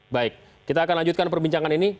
baik kita akan lanjutkan perbincangan ini